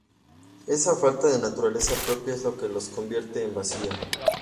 Esa falta de naturaleza propia es lo que las convierte en vacías.